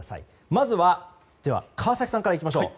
まずは川崎さんからいきましょう。